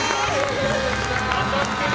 当たってる。